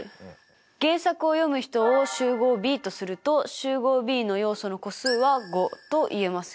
原作を読む人を集合Ｂとすると集合Ｂの要素の個数は５と言えますよね。